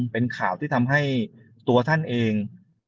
เป็นข่าวที่ทำให้ตัวท่านเอง